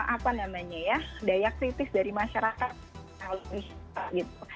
apa namanya ya daya kritis dari masyarakat gitu